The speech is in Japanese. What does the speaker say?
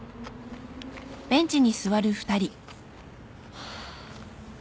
ハァ。